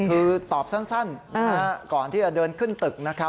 คือตอบสั้นก่อนที่จะเดินขึ้นตึกนะครับ